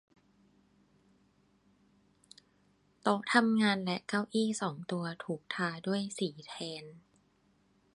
โต๊ะทำงานและเก้าอี้สองตัวถูกทาด้วยสีแทน